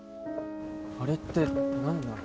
あれって何なの？